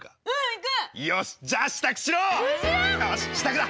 よし支度だ！